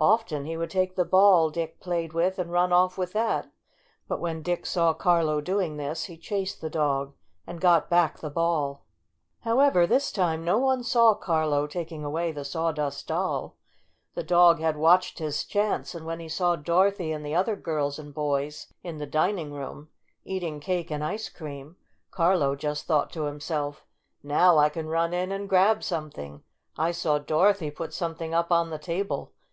Often he would take the ball Dick played with and run off with that. But when Dick saw Carlo doing this he chased the dog and got back the ball. However, this time no one saw Carlo taking away the Sawdust Doll. The dog had watched his chance, and when he saw 62 IN THE DOG HOUSE 63 Dorothy and the other girls and boys in the dining room, eating cake and ice cream, Carlo just thought to himself : "Now I can run in and grab something ! I saw Dorothy put something up on the table.